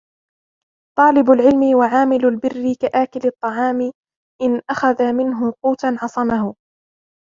طَالِبُ الْعِلْمِ وَعَامِلُ الْبِرِّ كَآكِلِ الطَّعَامِ إنْ أَخَذَ مِنْهُ قُوتًا عَصَمَهُ